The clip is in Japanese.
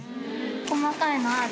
細かいのある？